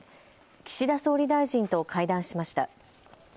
岸田総理大臣と会談しました。